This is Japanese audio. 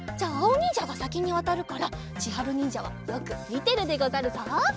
おにんじゃがさきにわたるからちはるにんじゃはよくみてるでござるぞ。